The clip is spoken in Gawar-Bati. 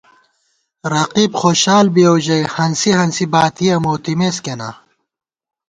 رقیب خوشال بِیَؤ ژَئی، ہنسی ہنسی باتِیَہ موتِمېس کېنا